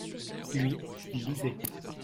lui, il lisait.